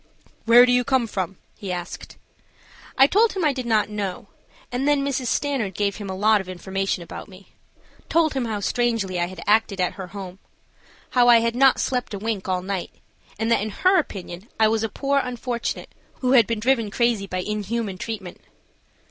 "Where do you come from?" he asked. I told him I did not know, and then Mrs. Stanard gave him a lot of information about me–told him how strangely I had acted at her home; how I had not slept a wink all night, and that in her opinion I was a poor unfortunate who had been driven crazy by inhuman treatment.